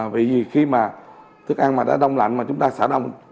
vì khi mà thức ăn mà đã đông lạnh mà chúng ta xả đông